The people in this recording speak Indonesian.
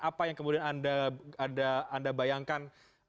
apa yang kemudian anda bayangkan